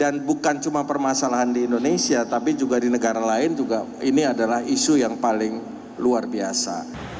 dan bukan cuma permasalahan di indonesia tapi juga di negara lain juga ini adalah isu yang paling luar biasa